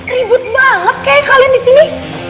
ribut banget kayaknya kalian disini